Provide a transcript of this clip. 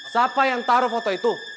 siapa yang taruh foto itu